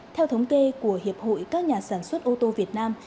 theo thống kê của hiệp hội các nhà sản xuất ô tô việt nam